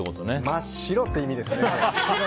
真っ白って意味です！